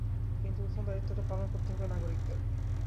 কিন্তু প্রথম দায়িত্বটা পালন করতে হবে নাগরিকদের।